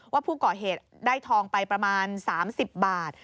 ว่าผู้ก่อเหตุได้ทองไปประมาณ๓๐บาท